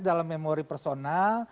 dalam memori personal